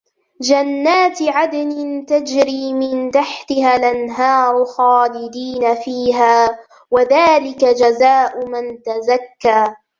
جنات عدن تجري من تحتها الأنهار خالدين فيها وذلك جزاء من تزكى